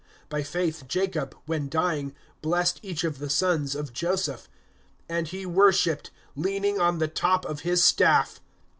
(21)By faith Jacob, when dying, blessed each of the sons of Joseph; and he worshiped, [leaning] on the top of his staff.